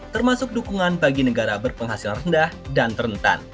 termasuk dukungan bagi negara berpenghasilan rendah dan rentan